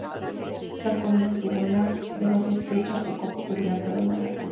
La corola es tubular, de base estrecha, poco a poco dilatada en la garganta.